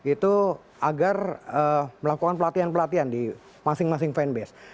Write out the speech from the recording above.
itu agar melakukan pelatihan pelatihan di masing masing fanbase